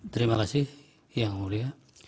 terima kasih yang mulia